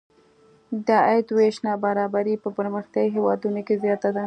د عاید وېش نابرابري په پرمختیايي هېوادونو کې زیاته ده.